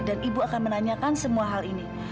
dan ibu akan menanyakan semua hal ini